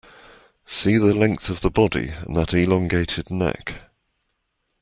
See the length of the body and that elongated neck.